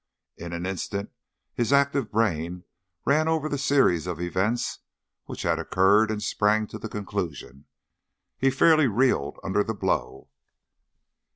In an instant his active brain ran over the series of events which had occurred and sprang to the conclusion. He fairly reeled under the blow.